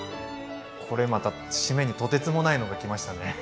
これまた締めにとてつもないのが来ましたね！